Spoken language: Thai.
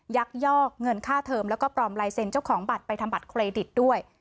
ยักยอกเงินค่าเทอมแล้วก็ปลอมลายเซ็นต์เจ้าของบัตรไปทำบัตรเครดิตด้วย